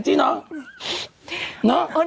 จริงเนาะ